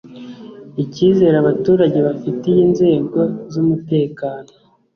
Icyizere abaturage bafitiye inzego z umutekano